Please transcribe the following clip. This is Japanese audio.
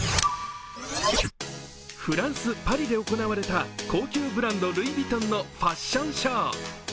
フランス・パリで行われた高級ブランド、ルイ・ヴィトンのファッションショー。